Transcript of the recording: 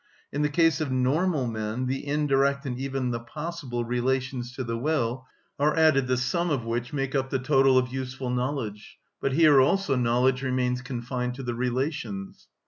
In the case of normal men the indirect, and even the possible, relations to the will are added, the sum of which make up the total of useful knowledge; but here also knowledge remains confined to the relations.